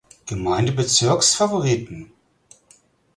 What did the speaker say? Gemeindebezirks Favoriten.